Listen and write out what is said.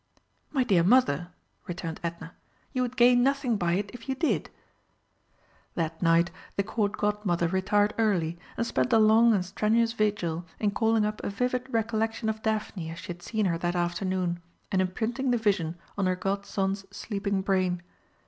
"My dear Mother," returned Edna, "you would gain nothing by it if you did." That night the Court Godmother retired early, and spent a long and strenuous vigil in calling up a vivid recollection of Daphne as she had seen her that afternoon, and imprinting the vision on her godson's sleeping brain.